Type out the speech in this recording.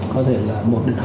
có thể là một đến hai